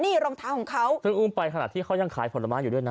นี่รองเท้าของเขาซึ่งอุ้มไปขนาดที่เขายังขายผลไม้อยู่ด้วยนะ